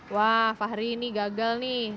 wah fahri ini gagal nih